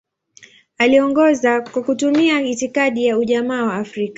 Aliongoza kwa kutumia itikadi ya Ujamaa wa Afrika.